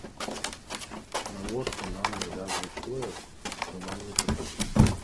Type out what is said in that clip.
Навошта нам навязваюць тое, што нам не трэба?